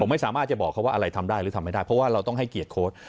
ไม่สามารถจะบอกเขาว่าอะไรทำได้หรือทำไม่ได้เพราะว่าเราต้องให้เกียรติโค้ด